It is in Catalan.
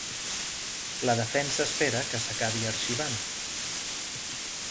La defensa espera que s’acabi arxivant.